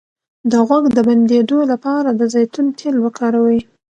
د غوږ د بندیدو لپاره د زیتون تېل وکاروئ